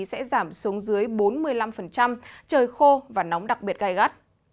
sẽ giảm xuống dưới bốn mươi năm trời khô và nóng đặc biệt gai gắt